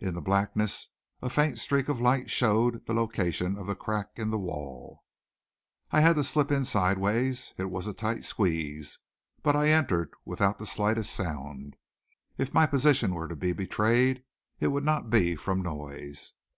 In the blackness a faint streak of light showed the location of the crack in the wall. I had to slip in sidewise. It was a tight squeeze, but I entered without the slightest sound. If my position were to be betrayed it would not be from noise.